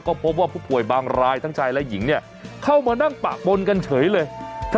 ก็พบว่าผู้ป่วยบางรายทั้งชายและหญิงเนี่ยเข้ามานั่งปะปนกันเฉยเลย